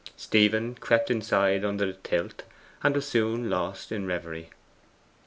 Stephen crept inside under the tilt, and was soon lost in reverie.